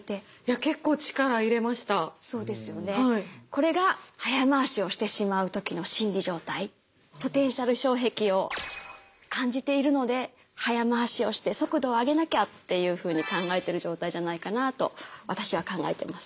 これがポテンシャル障壁を感じているので早回しをして速度を上げなきゃっていうふうに考えてる状態じゃないかなと私は考えてます。